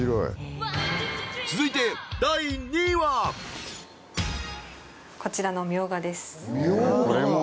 続いて第２位はこちらのみょうがです